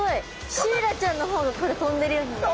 シイラちゃんの方が飛んでるように見える。